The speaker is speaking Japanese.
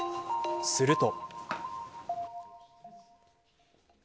すると。